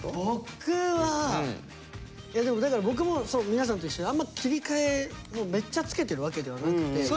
僕はでもだから僕も皆さんと一緒であんま切り替えめっちゃつけてるわけではなくて。